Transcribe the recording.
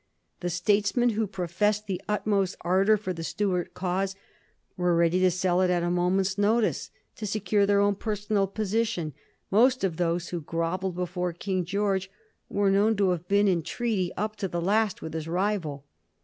The statesmen who professed the utmost ardour for the Stuart cause were ready to sell it at a moment's notice, to secure their own personal position ; most of those who grovelled before King George were known to have been in treaty, up to the last, with his rival.